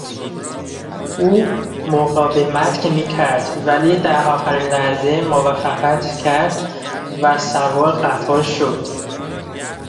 او مقاومت میکرد ولی در آخرین لحظه موافقت کرد و سوار قطار شد.